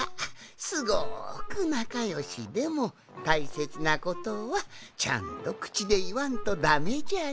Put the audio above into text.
すごくなかよしでもたいせつなことはちゃんとくちでいわんとダメじゃな。